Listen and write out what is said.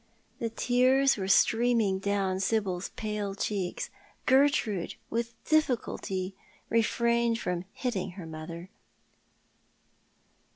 The tears were streaming down Sibyl's pale cheeks. Gertrude with difficulty refrained from hitting her mother.